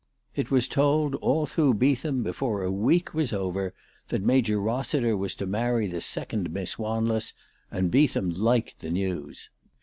IT was told all through Beetham before a week was over that Major Kossiter was to marry the second Miss Wanless, and Beetham liked the news.